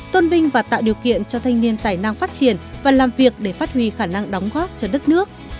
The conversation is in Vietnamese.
tôn vinh và tạo điều kiện cho thanh niên tài năng phát triển và làm việc để phát huy khả năng đóng góp cho đất nước